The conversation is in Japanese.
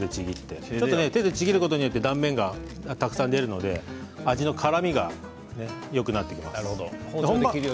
手でちぎることで断面がたくさん出るので味のからみがよくなります。